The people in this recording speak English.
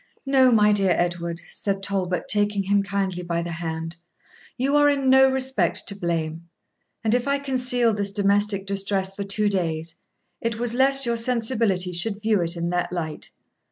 'No, my dear Edward,' said Talbot, taking him kindly by the hand, 'you are in no respect to blame; and if I concealed this domestic distress for two days, it was lest your sensibility should view it in that light.